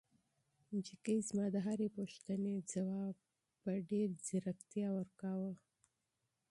نجلۍ زما د هرې پوښتنې ځواب په ډېر مهارت ورکاوه.